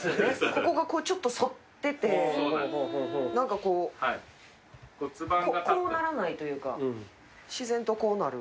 ここがちょっと反ってて何かこうならないというか自然とこうなる。